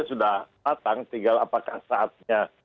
sudah matang tinggal apakah saatnya